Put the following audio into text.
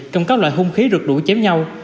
trong các loại hung khí rực đủ chém nhau